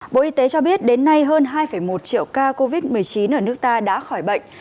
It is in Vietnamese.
bộ y tế cho biết đến nay hơn hai một triệu ca covid một mươi chín ở nước ta đã khỏi bệnh